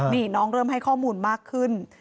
นี่น้องเริ่มให้ข้อมูลมากขึ้น